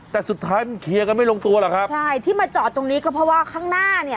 แต่สุดท้ายมันเคลียร์กันไม่ลงตัวหรอกครับใช่ที่มาจอดตรงนี้ก็เพราะว่าข้างหน้าเนี่ย